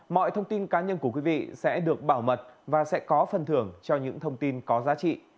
mọi thông tin cá nhân của quý vị sẽ được bảo mật và sẽ có phần thưởng cho những thông tin có giá trị